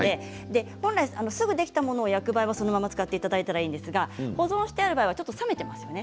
本来すぐできたものを焼く場合はそのまま使っていただいたらいいんですが保存したものは冷めていますよね。